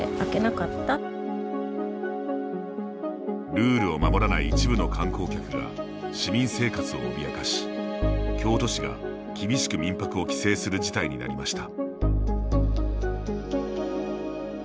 ルールを守らない一部の観光客が市民生活を脅かし京都市が厳しく民泊を規制する事態になりました。